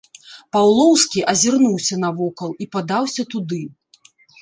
Паўлоўскі азірнуўся навокал і падаўся туды.